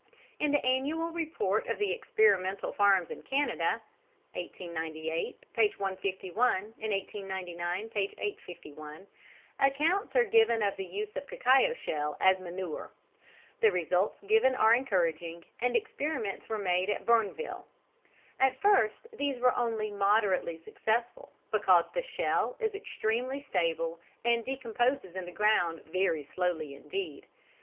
In the Annual Report of the Experimental Farms in Canada, (1898, p. 151 and 1899, p. 851,) accounts are given of the use of cacao shell as a manure. The results given are encouraging, and experiments were made at Bournville. At first these were only moderately successful, because the shell is extremely stable and decomposes in the ground very slowly indeed.